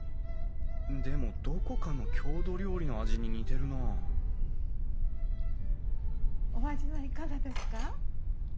でもどこかの郷土料理の味に似てるなあお味はいかがですか？